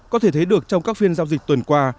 có thể thấy được trong các phiên giao dịch tuần qua